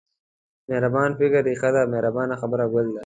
مهربان فکر رېښه ده مهربانه خبره ګل دی.